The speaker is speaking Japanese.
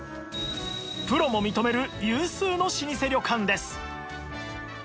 プロも認める有数の老舗旅館です